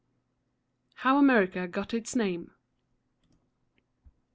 HOW AMERICA GOT ITS NAME.